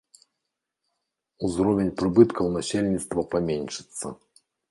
Узровень прыбыткаў насельніцтва паменшыцца.